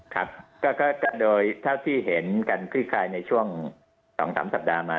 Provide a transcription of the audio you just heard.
ครับก็โดยเท่าที่เห็นกันคลี่คลายในช่วง๒๓สัปดาห์มา